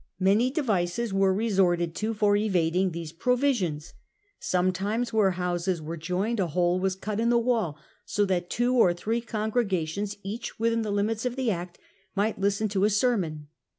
Many devices were resorted to for evading these provisions. Sometimes, where houses were joined, a hole was cut in the wall so that two or three congregations, each within the limits of the Act, might listen to a sermon.